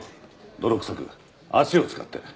泥くさく足を使って。